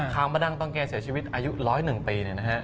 ข่าวมาดังตอนแกเสียชีวิตอายุ๑๐๑ปี